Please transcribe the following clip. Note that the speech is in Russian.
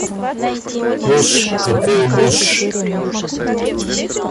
Уж какой муж...